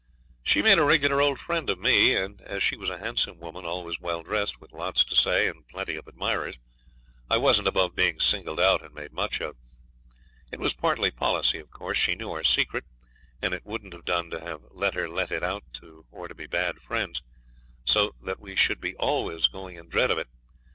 She made a regular old friend of me, and, as she was a handsome woman, always well dressed, with lots to say and plenty of admirers, I wasn't above being singled out and made much of. It was partly policy, of course. She knew our secret, and it wouldn't have done to have let her let it out or be bad friends, so that we should be always going in dread of it.